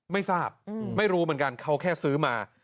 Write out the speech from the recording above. ไม่ทราบไม่รู้เหมือนกันเขาแค่ซื้อมา